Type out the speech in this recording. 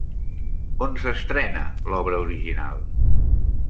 On s'estrenà l'obra original?